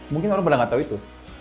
mungkin orang pada gak tau itu